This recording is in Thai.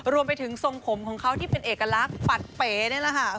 รวมไปถึงทรงผมของเขาที่เป็นเอกลักษณ์ปัดเป๋นี่แหละค่ะ